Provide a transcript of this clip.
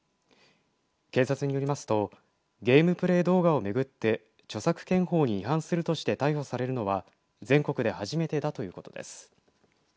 警察によりますとゲームプレー動画を巡って作権法に違反するとして逮捕されるのは全国で初めてだということです。